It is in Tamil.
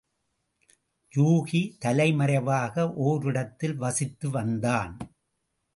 யூகி தலைமறைவாக ஓரிடத்தில் வசித்து வந்தான்.